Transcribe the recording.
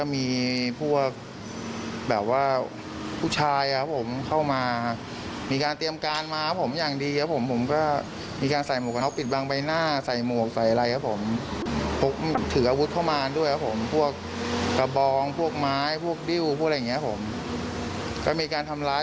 มีการทำล้ายร่างกาย